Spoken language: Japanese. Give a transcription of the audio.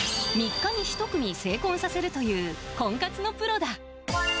３日に１組成婚させるという婚活のプロだ。